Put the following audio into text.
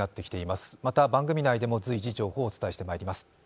また番組内でも随時情報をお伝えしてまいります。